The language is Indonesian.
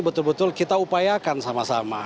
betul betul kita upayakan sama sama